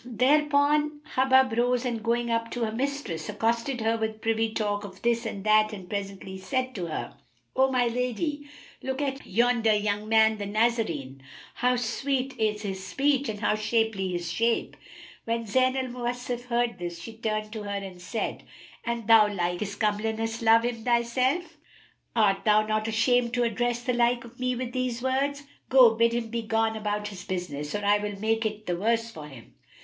Thereupon Hubub rose and going up to her mistress, accosted her with privy talk of this and that and presently said to her, "O my lady, look at yonder young man, the Nazarene; how sweet is his speech and how shapely his shape!" When Zayn al Mawasif heard this, she turned to her and said, "An thou like his comeliness love him thyself. Art thou not ashamed to address the like of me with these words? Go, bid him begone about his business; or I will make it the worse for him."